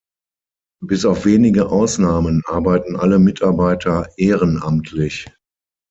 Bis auf wenige Ausnahmen arbeiten alle Mitarbeiter ehrenamtlich.